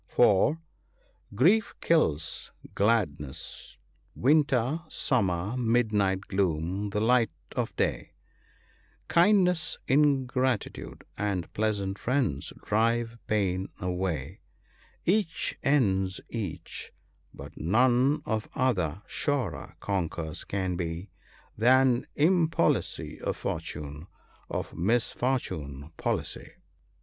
for, —" Grief kills gladness, winter summer, midnight gloom the light of day, Kindnesses ingratitude, and pleasant friends drive pain away ; Each ends each, but none of other surer conquerers can be Than Impolicy of Fortune — of Misfortune Policy."